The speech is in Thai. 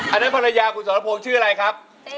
อันนี้ภาพร้อมคุณสรบงค์ชื่ออะไรครับ